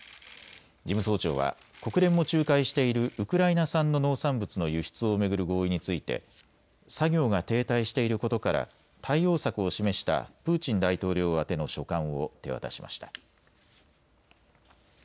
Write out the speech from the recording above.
事務総長は国連も仲介しているウクライナ産の農産物の輸出を巡る合意について作業が停滞していることから対応策を示したプーチン大統領宛の書簡を手渡しました。